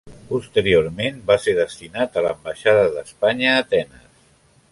Posteriorment va ser destinat a l'Ambaixada d'Espanya a Atenes.